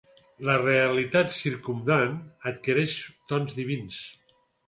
La realitat circumdant adquireix tons divins.